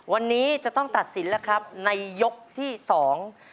วันนี้จะต้องตัดสินแล้วครับในยกที่สอง